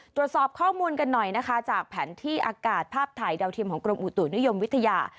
ตรวจสอบข้อมูลกันหน่อยนะคะจากแผนที่อากาศภาพถ่ายดาวเทียมของกรมอุตุนิยมวิทยา